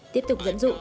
tiếp tục dẫn dụ